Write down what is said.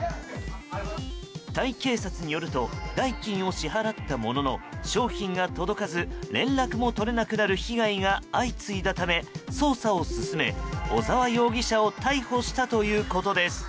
タイ警察によると代金を支払ったものの商品が届かず連絡も取れなくなる被害が相次いだため、捜査を進め小澤容疑者を逮捕したということです。